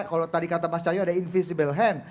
kalau tadi kata mas chayu ada invisible power